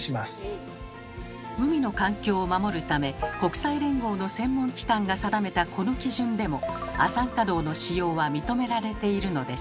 海の環境を守るため国際連合の専門機関が定めたこの基準でも亜酸化銅の使用は認められているのです。